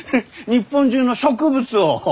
日本中の植物を！？